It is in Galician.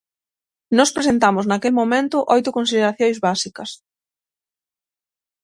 Nós presentamos naquel momento oito consideracións básicas.